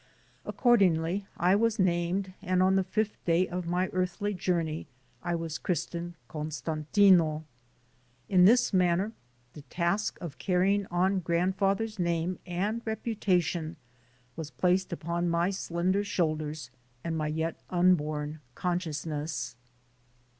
Accordingly, I was named and on the fifth day of my earthly journey I was christened "Costantino." In this manner the task of carrying on grandfather's name and reputation was placed upon my slender shoul ders and my yet unborn consciousness.